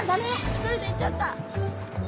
１人で行っちゃった。